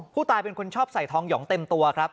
ผู้ตายเป็นคนชอบใส่ทองหยองเต็มตัวครับ